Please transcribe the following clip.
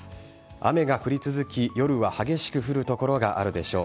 雨が降り続き夜は激しく降る所があるでしょう。